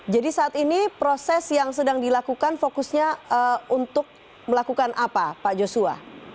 jadi saat ini proses yang sedang dilakukan fokusnya untuk melakukan apa pak joshua